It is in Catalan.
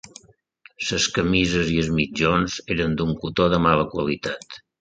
Les camises i els mitjons eren d'un cotó de mala qualitat